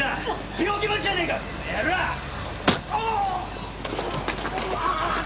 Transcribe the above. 病気持ちじゃねぇかこの野郎！おわぁっ！